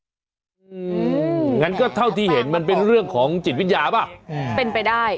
งั้นก็เท่าที่เห็นมันเป็นเรื่องของจิตวิญญาณป่ะอืมเป็นไปได้